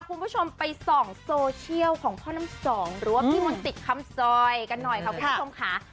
คุณผู้ชมไปส่องโซเชียลของพ่อน้ำสองหรือว่าพี่มนต์ติดคำซอยกันหน่อยค่ะคุณผู้ชมค่ะ